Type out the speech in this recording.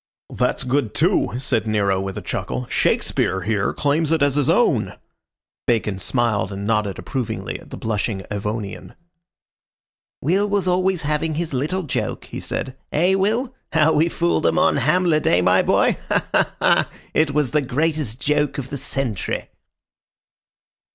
"That's good too," said Nero, with a chuckle. "Shakespeare here claims it as his own." Bacon smiled and nodded approvingly at the blushing Avonian. "Will always was having his little joke," he said. "Eh, Will? How we fooled 'em on Hamlet, eh, my boy? Ha ha ha! It was the greatest joke of the century."